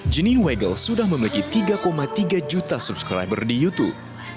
jenine wagel sudah memiliki tiga tiga juta subscriber di youtube